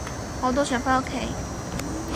我都想返屋企